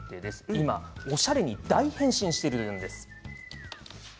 今おしゃれに大変身しているんです。